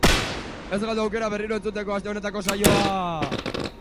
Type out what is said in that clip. Ez galdu aukera berriro entzuteko aste honetako saioa.